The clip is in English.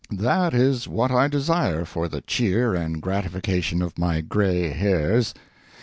That is what I desire for the cheer and gratification of my gray hairs.